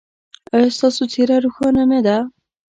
ایا ستاسو څیره روښانه نه ده؟